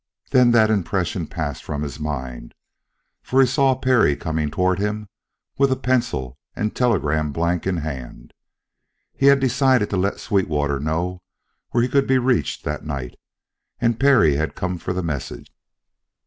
Then that impression passed from his mind, for he saw Perry coming toward him with a pencil and telegram blank in hand. He had decided to let Sweetwater know where he could be reached that night, and Perry had come for the message.